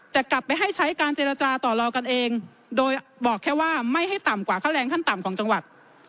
แต่กลับไปให้ใช้การเจรจาต่อรองกันเองโดยบอกแค่ว่าไม่ให้ต่ำกว่าค่าแรงขั้นต่ำของจังหวัด